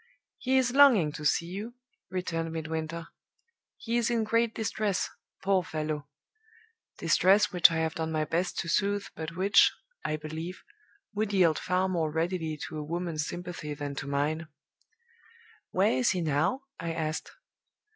"'He is longing to see you,' returned Midwinter. 'He is in great distress, poor fellow distress which I have done my best to soothe, but which, I believe, would yield far more readily to a woman's sympathy than to mine.' "'Where is he now?' I asked.